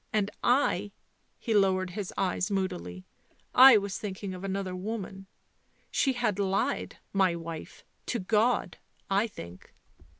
And I," he lowered his eyes moodily, 11 1 was thinking of another woman. She had lied, my wife, to God, I think.